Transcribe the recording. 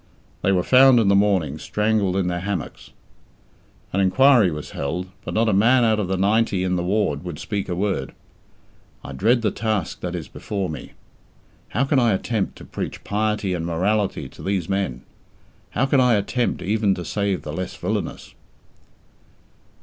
They were found in the morning strangled in their hammocks. An inquiry was held, but not a man out of the ninety in the ward would speak a word. I dread the task that is before me. How can I attempt to preach piety and morality to these men? How can I attempt even to save the less villainous?